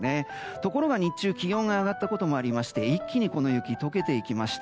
ところが日中気温が上がったこともありまして一気にこの雪は解けていきました